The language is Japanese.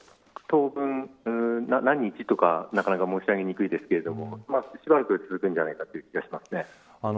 何日とか、なかなか申し上げにくいですがしばらく続くんじゃないかという気がします。